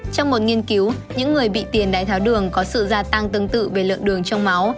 trong một nghiên cứu những người bị tiền đái tháo đường có sự gia tăng tương tự về lượng đường trong máu